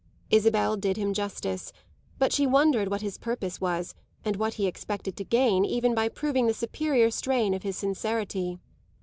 Isabel did him justice, but she wondered what his purpose was and what he expected to gain even by proving the superior strain of his sincerity.